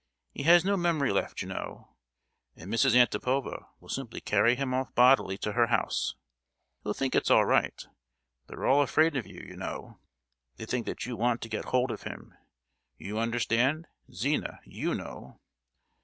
He has no memory left, you know, and Mrs. Antipova will simply carry him off bodily to her house. He'll think it's all right——They're all afraid of you, you know; they think that you want to get hold of him—you understand! Zina, you know!"